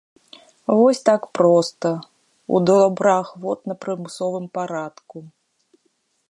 Вось так проста, у добраахвотна-прымусовым парадку.